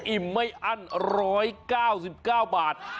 อิ่มไม่อั้น๑๙๙บาท